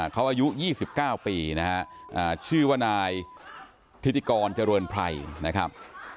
เขาอายุยี่สิบเก้าปีนะครับชื่อว่านายธิติกรเจริญไพรนะครับ